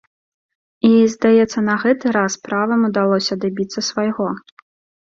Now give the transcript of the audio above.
І, здаецца, на гэты раз правым удалося дабіцца свайго.